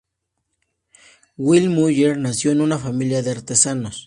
Wilhelm Müller nació en una familia de artesanos.